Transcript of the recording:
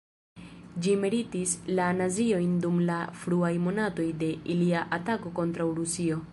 Ĝi meritis la naziojn dum la fruaj monatoj de ilia atako kontraŭ Rusio.